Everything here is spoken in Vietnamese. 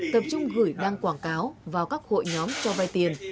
tập trung gửi đăng quảng cáo vào các hội nhóm cho vay tiền